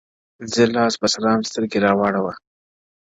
زه لاس په سلام سترگي راواړوه،